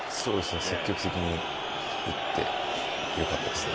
積極的に行ってよかったですね。